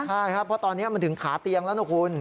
ใช่ครับเพราะตอนนี้มันถึงขาเตียงแล้วนะคุณ